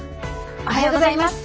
おはようございます。